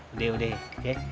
udah udah ya